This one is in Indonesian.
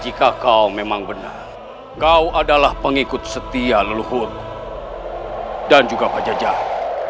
jika kau memang benar kau adalah pengikut setia leluhut dan juga penjajahan